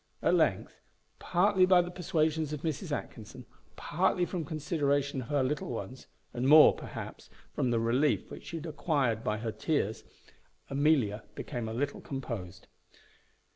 At length, partly by the persuasions of Mrs. Atkinson, partly from consideration of her little ones, and more, perhaps, from the relief which she had acquired by her tears, Amelia became a little composed.